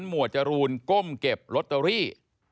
หวดจรูนก้มเก็บลอตเตอรี่